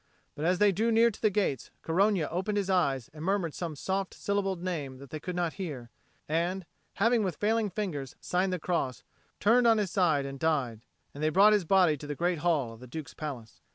But as they drew near to the gates, Corogna opened his eyes and murmured some soft syllabled name that they could not hear, and, having with failing fingers signed the cross, turned on his side and died. And they brought his body to the great hall of the Duke's palace.